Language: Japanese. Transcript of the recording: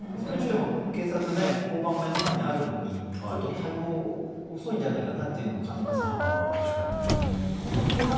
警察ね、交番、目の前にあるのにちょっと対応、遅いんじゃないのかなのも感じますけど。